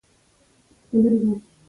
مالیات د ژوند معیارونه برابر کړي.